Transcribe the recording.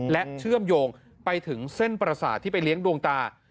และเชื่อมโยงไปถึงเส้นประสาทที่ไปเลี้ยงดวงตา